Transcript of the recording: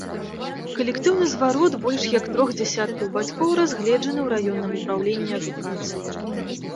Калектыўны зварот больш як трох дзясяткаў бацькоў разгледжаны ў раённым упраўленні адукацыі.